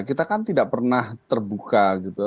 kita kan tidak pernah terbuka gitu